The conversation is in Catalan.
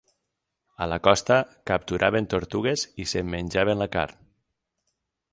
A la costa capturaven tortugues i se'n menjaven la carn.